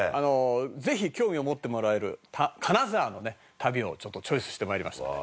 ぜひ興味を持ってもらえる金沢の旅をちょっとチョイスして参りましたので。